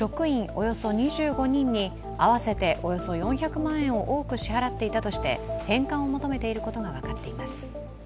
およそ２５人に合わせておよそ４００万円を多く支払っていたとして、返還を求めていることが分かっています。